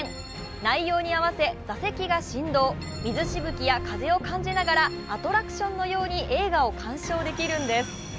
内容に合わせ座席が振動、水しぶきや風を感じながら、アトラクションのように映画を観賞できるんです。